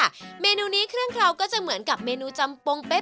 เมนูนี้เครื่องเคราะห์ก็จะเหมือนกับเมนูจำปงเป๊ก